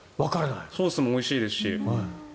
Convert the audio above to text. ソースもおいしいですし。